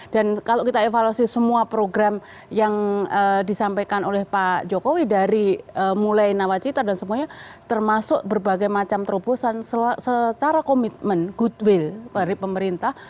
dan kalau kita evaluasi semua program yang disampaikan oleh pak jokowi dari mulai nawacita dan semuanya termasuk berbagai macam terobosan secara komitmen goodwill dari pemerintah